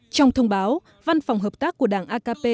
trong thông báo văn phòng hợp tác của đảng akp